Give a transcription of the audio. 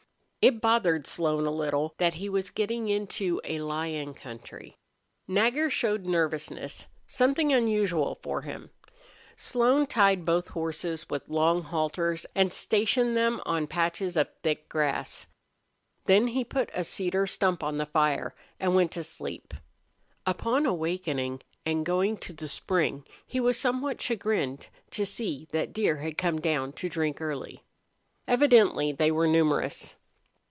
It bothered Slone a little that he was getting into a lion country. Nagger showed nervousness, something unusual for him. Slone tied both horses with long halters and stationed them on patches of thick grass. Then he put a cedar stump on the fire and went to sleep. Upon awakening and going to the spring he was somewhat chagrined to see that deer had come down to drink early. Evidently they were numerous.